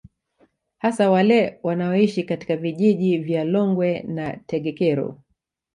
Hasa wale wanaoishi katika vijiji vya Longwe na Tegekero